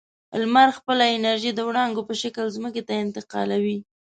لمر خپله انرژي د وړانګو په شکل ځمکې ته انتقالوي.